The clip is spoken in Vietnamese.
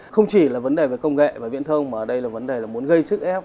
không chỉ là vấn đề về công nghệ và viễn thông mà đây là vấn đề là muốn gây sức ép